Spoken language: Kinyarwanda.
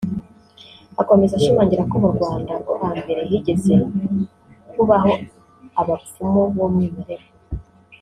Akomeza ashimangira ko mu Rwanda rwo hambere higeze kubaho abapfumu b’umwimerere